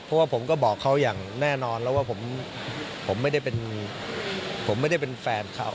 เพราะว่าผมก็บอกเขาอย่างแน่นอนแล้วว่าผมไม่ได้เป็นแฟนเขา